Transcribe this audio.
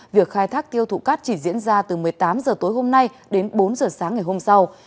việc khai thác tiêu thụ cát chỉ diễn ra từ một mươi tám h tối hôm nay đến bốn h sáng ngày hôm sau